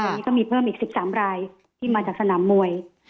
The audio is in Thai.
วันนี้ก็มีเพิ่มอีก๑๓รายที่มาจากสนามมวย